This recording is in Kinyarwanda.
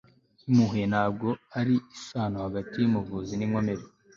impuhwe ntabwo ari isano hagati yumuvuzi ninkomere